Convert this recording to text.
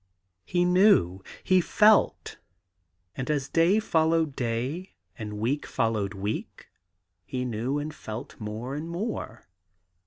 He knew, he felt; and as day followed day, and week followed week, he knew and felt more and more.